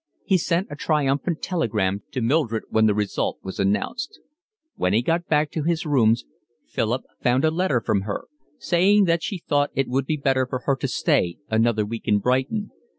He sent a triumphant telegram to Mildred when the result was announced. When he got back to his rooms Philip found a letter from her, saying that she thought it would be better for her to stay another week in Brighton.